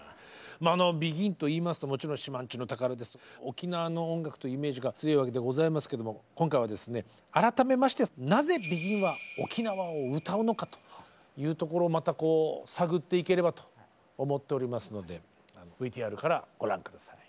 まああのＢＥＧＩＮと言いますともちろん「島人ぬ宝」とか沖縄の音楽というイメージが強いわけでございますけども今回はですね改めまして「なぜＢＥＧＩＮは沖縄を歌うのか」というところをまたこう探っていければと思っておりますのでＶＴＲからご覧下さい。